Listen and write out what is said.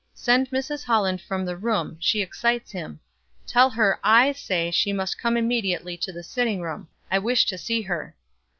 Send Mrs. Holland from the room, she excites him. Tell her I say she must come immediately to the sitting room; I wish to see her.